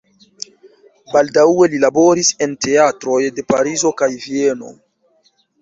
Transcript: Baldaŭe li laboris en teatroj de Parizo kaj Vieno.